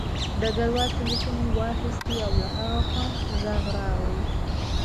ډګروال تیلیفون واخیست او له هغه خوا غږ راغی